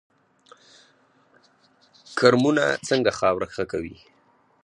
کرمونه څنګه خاوره ښه کوي؟